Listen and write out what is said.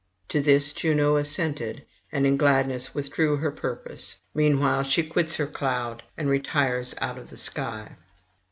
To this Juno assented, and in gladness withdrew her purpose; meanwhile she quits her cloud, and retires out of the sky.